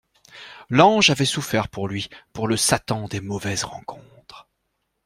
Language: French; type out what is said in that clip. L'ange avait souffert pour lui, pour le Satan des mauvaises rencontres.